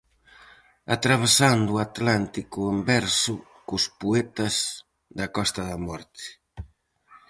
Atravesando o atlántico en verso cos poetas da Costa da Morte.